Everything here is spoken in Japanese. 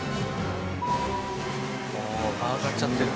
「上がっちゃってる」